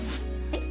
はい。